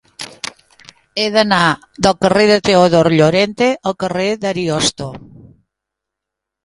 He d'anar del carrer de Teodor Llorente al carrer d'Ariosto.